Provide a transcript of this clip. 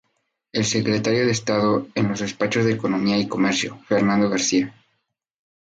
El Secretario de Estado en los Despachos de Economía y Comercio -Fernando García-.